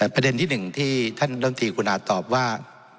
ประเด็นที่หนึ่งที่ท่านด้านตีกุณาตอบว่า